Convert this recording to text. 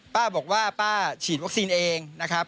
ป้าบอกว่าป้าฉีดวัคซีนเองนะครับ